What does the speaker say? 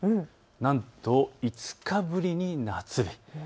なんと５日ぶりに夏日。